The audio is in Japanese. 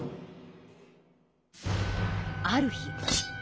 ある日。